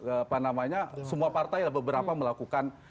apa namanya semua partai lah beberapa melakukan